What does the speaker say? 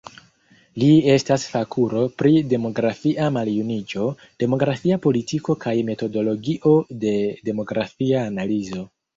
Li estas fakulo pri demografia maljuniĝo, demografia politiko kaj metodologio de demografia analizo.